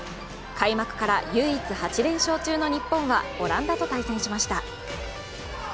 開幕から唯一８連勝中の日本はオランダと対戦しました。